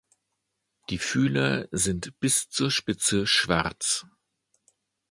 Die Fühler sind bis zur Spitze schwarz.